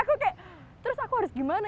aku kayak terus aku harus gimana